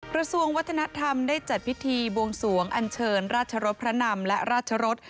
กระทรวงวัฒนธรรมได้จัดพิธีบวงสวงอันเชิญราชรสพระนำและราชรส